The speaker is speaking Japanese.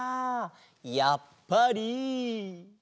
やっぱり？